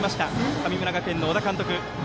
神村学園の小田監督。